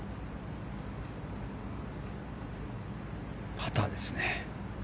パターですね。